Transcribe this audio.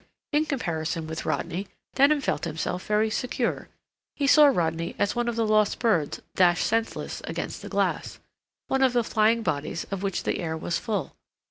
In comparison with Rodney, Denham felt himself very secure; he saw Rodney as one of the lost birds dashed senseless against the glass; one of the flying bodies of which the air was full.